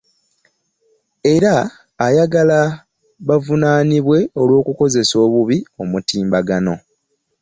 Era ayagala bavunaanibwe olw'okukozesa obubi omutimbagano